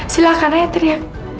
silahkan aja teriak